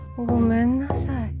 ごめんなさい。